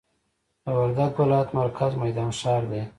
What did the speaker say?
د وردګ ولایت مرکز میدان ښار دی